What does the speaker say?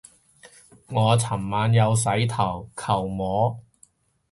我尋晚有洗頭，求摸